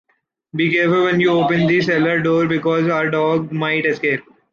Be careful when you open the cellar door because our dog might escape.